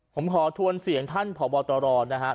ผมขอทวนเสียงท่านผอบตรนะครับ